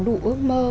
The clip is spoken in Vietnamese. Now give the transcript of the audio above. đủ ước mơ